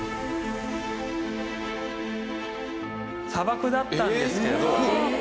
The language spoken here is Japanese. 砂漠だったんですけど。